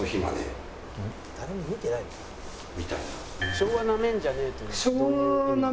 「“昭和ナメんじゃねえ”というのはどういう意味？」。